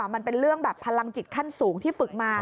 มันเป็นเรื่องแบบพลังจิตขั้นสูงที่ฝึกมา